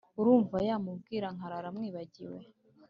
urumva yamumbwira nkarara mwibagiwe !"